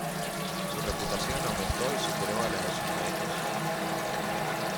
Su reputación aumentó y superó a la de sus maestros.